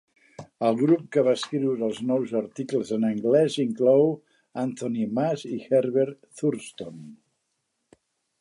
El grup que va escriure els nous articles en anglès inclou Anthony Maas i Herbert Thurston.